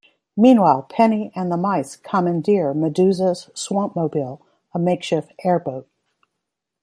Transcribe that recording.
Meanwhile, Penny and the mice commandeer Medusa's swamp-mobile, a makeshift airboat.